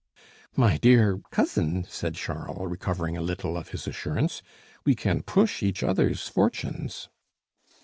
"My dear cousin," said Charles, recovering a little of his assurance, "we can push each other's fortunes."